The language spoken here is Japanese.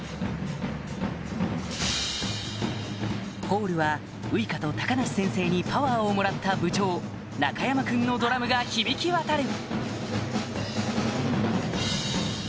ホールはウイカと梨先生にパワーをもらった部長中山くんのドラムが響き渡る